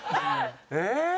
えっ？